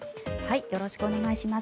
よろしくお願いします。